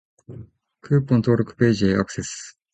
クーポン登録ページへアクセス